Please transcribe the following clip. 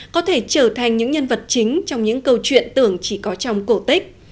có thể trở thành những nhân vật chính trong những câu chuyện tưởng chỉ có trong cổ tích